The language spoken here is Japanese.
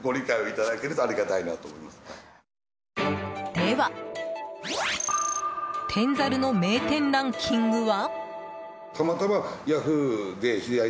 では天ざるの名店ランキングは？